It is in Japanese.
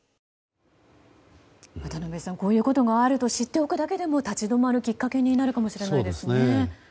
渡辺さん、こういうことがあると知っておくだけでも立ち止まるきっかけになるかもしれないですね。